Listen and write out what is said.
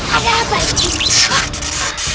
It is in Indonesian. ada apa ini